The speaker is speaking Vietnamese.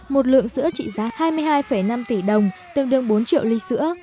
một lượng sữa trị giá hai mươi hai năm tỷ đồng tương đương bốn triệu ly sữa